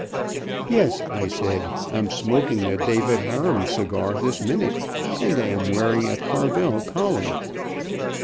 "Tes," I said, "I'm smoking a David Harum cigar this minute, and I am wearing a Carvel collar."